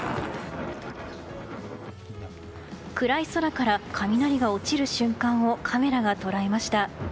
暗い空から雷が落ちる瞬間をカメラが捉えました。